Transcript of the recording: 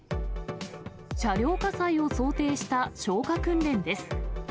車両火災を想定した消火訓練です。